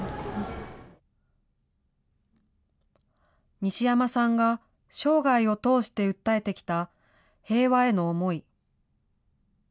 西山さんが生涯を通して訴えてきた平和への思い。